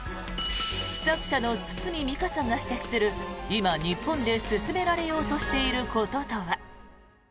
作者の堤未果さんが指摘する今、日本で進められようとしていることとは。